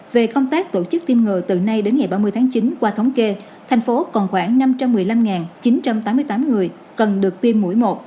về công tác tổ chức tiêm ngừa từ nay đến ngày ba mươi tháng chín qua thống kê thành phố còn khoảng năm trăm một mươi năm chín trăm tám mươi tám người cần được tiêm mũi một